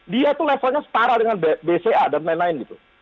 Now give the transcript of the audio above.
dia itu levelnya setara dengan bca dan lain lain gitu